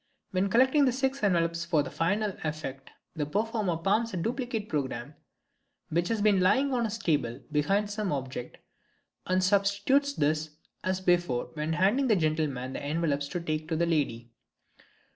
When collecting the six envelopes for the final effect the performer palms a duplicate programme which has been lying on his table behind some object, and substitutes this as before when handing the gentleman the envelopes to take to the lady.